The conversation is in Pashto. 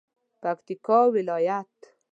پکتیکا ولایت